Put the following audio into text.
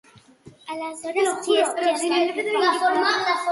Aleshores, qui és que es va apropar?